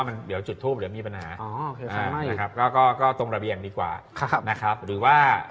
เล็กเล็กเล็กเล็กเล็กเล็กเล็กเล็กเล็กเล็กเล็กเล็กเล็กเล็ก